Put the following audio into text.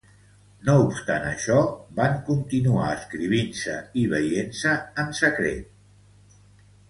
No obstant això, van continuar escrivint-se i veient-se en secret.